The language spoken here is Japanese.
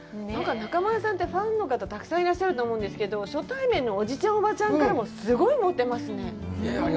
中丸さんってファンの方たくさんいらっしゃると思うんですけど、初対面のおじちゃん、おばちゃんからも、すごいモテますね。